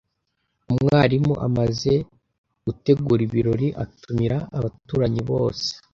Umwarimu amaze gutegura ibirori atumira abaturanyi bose.